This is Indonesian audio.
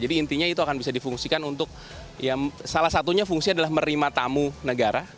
intinya itu akan bisa difungsikan untuk salah satunya fungsi adalah merima tamu negara